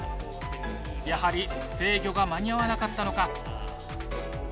やはり制御が間に合わなかったのか。